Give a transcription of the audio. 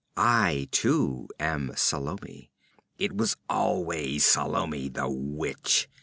I too am Salome. It was always Salome, the witch.